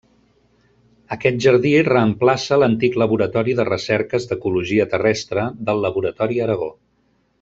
Aquest jardí reemplaça l'antic laboratori de recerques d'ecologia terrestre del Laboratori Aragó.